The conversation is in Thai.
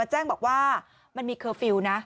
มันแจ้งบอกว่ามันมีคอร์ฟลิวนะ